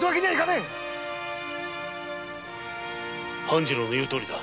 半次郎の言うとおりだ。